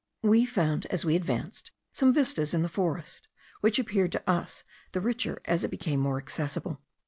We found, as we advanced, some vistas in the forest, which appeared to us the richer, as it became more accessible.